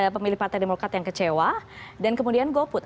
pemilih partai demokrat yang kecewa dan kemudian goput